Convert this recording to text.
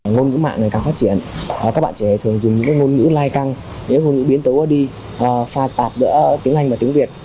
ngôn ngữ mạng ngày càng phát triển các bạn trẻ thường dùng những ngôn ngữ lai căng những ngôn ngữ biến tố đi pha tạp giữa tiếng anh và tiếng việt